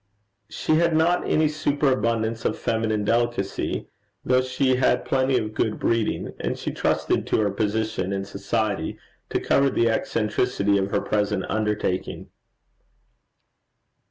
She had not any superabundance of feminine delicacy, though she had plenty of good breeding, and she trusted to her position in society to cover the eccentricity of her present undertaking.